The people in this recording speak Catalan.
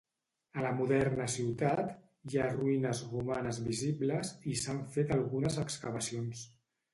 A la moderna ciutat hi ha ruïnes romanes visibles i s'han fet algunes excavacions.